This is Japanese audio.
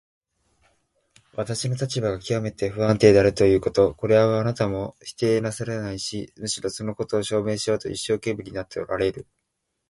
私の立場がきわめて不安定であるということ、これはあなたも否定なさらないし、むしろそのことを証明しようと一生懸命になっておられる。